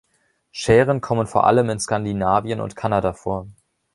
Schären kommen vor allem in Skandinavien und Kanada vor.